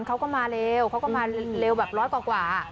เขาก็มาเร็วเขาก็มาเล็นเลนส์แบบร้อยกว่าอ่ะ